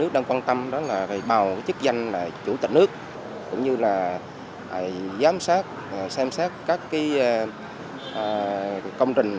đơn quan tâm đó là bào chức danh chủ tịch nước cũng như là giám sát xem xét các công trình